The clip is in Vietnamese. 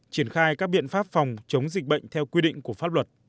triển khai các biện pháp phòng chống dịch bệnh theo quy định của pháp luật